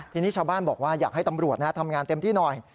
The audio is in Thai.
ทีนี้ชาวบ้านบอกว่าอยากให้ตำรวจทำงานเต็มที่หน่อย